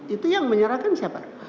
itu yang menyerahkan siapa